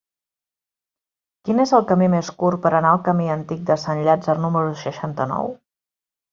Quin és el camí més curt per anar al camí Antic de Sant Llàtzer número seixanta-nou?